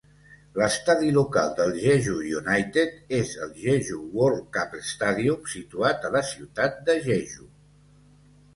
L'estadi local del Jeju United és el Jeju World Cup Stadium, situat a la ciutat de Jeju.